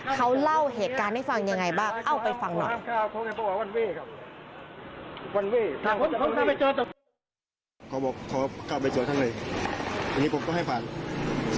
เขาเล่าเหตุการณ์ให้ฟังยังไงบ้างเอาไปฟังหน่อย